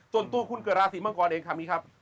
ส่วนตัวคุณเกิดราศีมังกรเองคำนี้ครับ